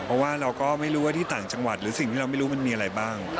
เพราะว่าเราก็ไม่รู้ว่าที่ต่างจังหวัดหรือสิ่งที่เราไม่รู้มันมีอะไรบ้าง